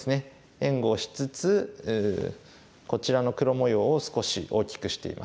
援護をしつつこちらの黒模様を少し大きくしています。